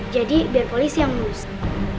jadi biar polisi yang urusin